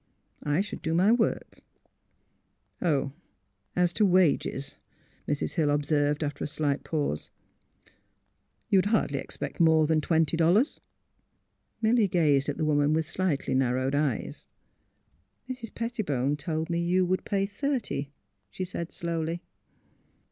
I should do my work." 118 THE HEAET OF PHILURA Oh, as to wages," Mrs. Hill observed, after a slight pause. " You would hardly expect more than twenty dollars'? " Milly gazed at the woman with slightly nar rowed eyes. '' Mrs. Pettibone told me you would pay thirty," she said, slowly.